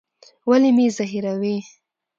ولي مي زهيروې؟